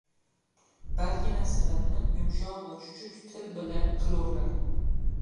balki nasihatni yumshog‘ va chuchuk til bila qilurlar.